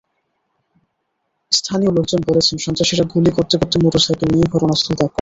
স্থানীয় লোকজন বলেছেন, সন্ত্রাসীরা গুলি করতে করতে মোটরসাইকেল নিয়ে ঘটনাস্থল ত্যাগ করে।